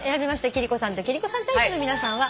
貴理子さんと貴理子さんタイプの皆さんは。